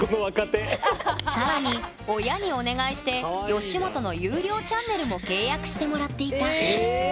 更に親にお願いして吉本の有料チャンネルも契約してもらっていたええ！